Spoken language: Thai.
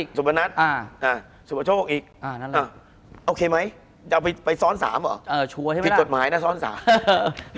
คุณผู้ชมบางท่าอาจจะไม่เข้าใจที่พิเตียร์สาร